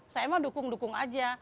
saya emang dukung dukung aja